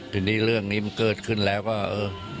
ทีนี้เรื่องนี้มันเกิดขึ้นแล้วก็เออ